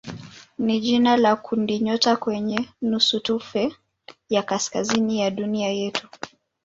ni jina la kundinyota kwenye nusutufe ya kaskazini ya dunia yetu.